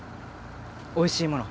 おいしいもの